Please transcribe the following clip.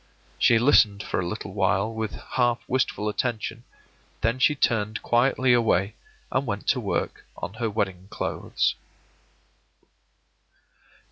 She listened for a little while with half wistful attention; then she turned quietly away and went to work on her wedding clothes.